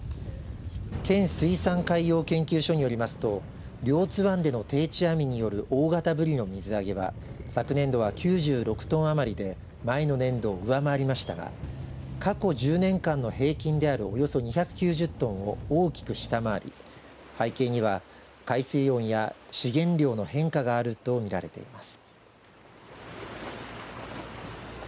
県水産海洋研究所によりますと両津湾での定置網による大型ブリの水揚げは昨年度は９６トン余りで前の年度を上回りましたが過去１０年間の平均であるおよそ２９０トンを大きく下回り背景には海水温や資源量の変化があると見られています。